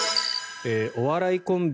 お笑いコンビ